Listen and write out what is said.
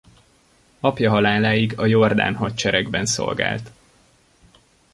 Apja haláláig a jordán hadseregben szolgált.